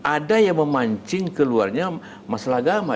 ada yang memancing keluarnya masalah agama